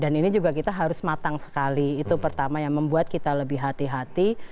dan ini juga kita harus matang sekali itu pertama yang membuat kita lebih hati hati